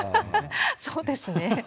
そうですね。